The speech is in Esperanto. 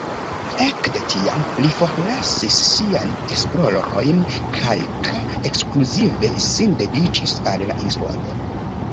Ekde tiam li forlasis siajn esplorojn kaj ka ekskluzive sin dediĉis al la instruado.